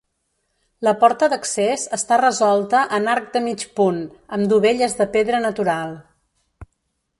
La porta d'accés està resolta en arc de mig punt, amb dovelles de pedra natural.